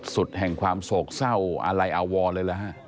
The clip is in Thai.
แห่งความโศกเศร้าอะไรอาวรเลยเหรอฮะ